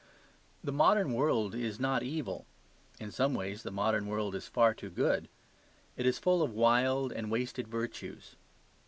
The modern world is not evil; in some ways the modern world is far too good. It is full of wild and wasted virtues.